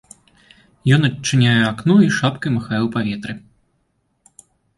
Ён адчыняе акно і шапкай махае ў паветры.